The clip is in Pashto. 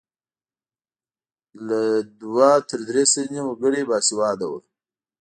له دوه تر درې سلنې وګړي باسواده وو.